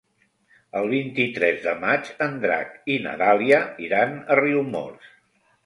El vint-i-tres de maig en Drac i na Dàlia iran a Riumors.